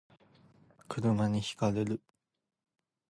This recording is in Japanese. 車に轢かれる